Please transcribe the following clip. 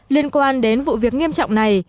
liên quan đến vụ việc nghiêm trọng này